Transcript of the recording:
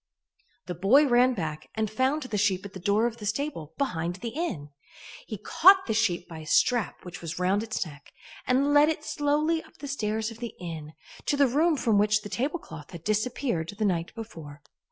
The boy ran back and found the sheep at the door of the stable, behind the inn. He caught the sheep by a strap which was round its neck, and led it slowly up the stairs of the inn, to the room from which the tablecloth had disappeared the night before.